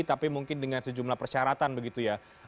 tapi mungkin dengan sejumlah persyaratan begitu ya